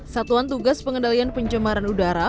satuan tugas pengendalian pencemaran udara